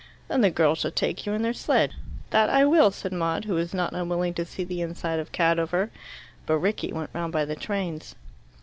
"Then the girls shall take you in their sledge." "That I will," said Maud, who was not unwilling to see the inside of Cadover. But Rickie went round by the trains.